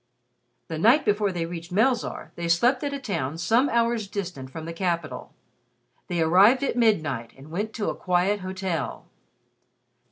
The night before they reached Melzarr, they slept at a town some hours distant from the capital. They arrived at midnight and went to a quiet hotel.